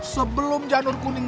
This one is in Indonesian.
sebelum janur kuning